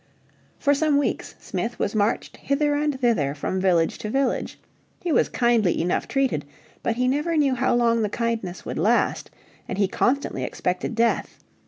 For some weeks Smith was marched hither and thither from village to village. He was kindly enough treated, but he never knew how long the kindness would last, and he constantly expected death.